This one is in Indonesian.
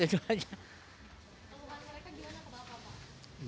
tentukan mereka gimana kebawa